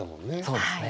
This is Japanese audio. そうですね。